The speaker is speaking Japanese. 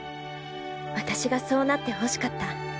私がそうなってほしかった。